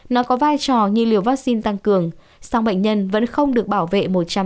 nó có vai trò như liều vaccine tăng cường song bệnh nhân vẫn không được bảo vệ một trăm linh